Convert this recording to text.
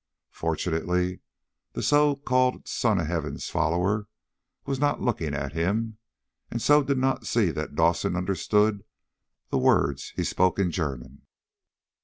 Fortunately the so called Son of Heaven's follower was not looking at him, and so did not see that Dawson understood the words he spoke in German.